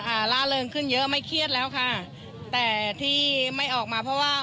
อ่าล่าเริงขึ้นเยอะไม่เครียดแล้วค่ะแต่ที่ไม่ออกมาเพราะว่า